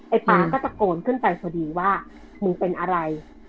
ป๊าก็ตะโกนขึ้นไปพอดีว่ามึงเป็นอะไร